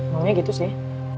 maunya gitu sih